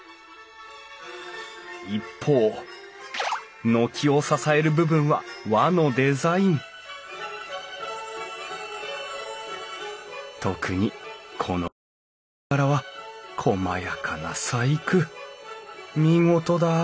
一方軒を支える部分は和のデザイン特にこの雲龍柄はこまやかな細工。